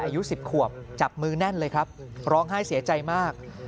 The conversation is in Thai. อายุ๑๐ขวบจับมือแน่นเลยครับร้องไห้เสียใจมาก